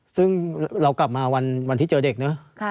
ซึ่งเรากลับมาวันที่เจอเด็กเนอะ